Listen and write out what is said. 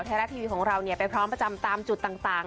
ไทยรัฐทีวีของเราไปพร้อมประจำตามจุดต่าง